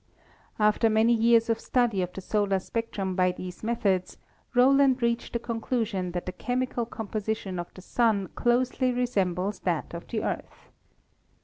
"After many years of study of the solar spectrum by these methods Rowland reached the conclusion that the chemical composition of the Sun closely resembles that of the Earth.